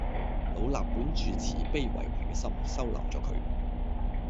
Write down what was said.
老衲本住慈悲為懷嘅心，收留咗佢